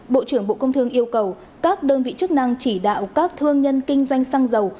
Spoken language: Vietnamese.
bộ trưởng bộ công thương yêu cầu các đơn vị chức năng chỉ đạo các thương nhân kinh doanh xăng dầu